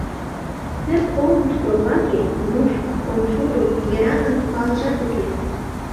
Пӧрт олмышто лаке, нуж, коншудо... йыраҥын палыжат уке.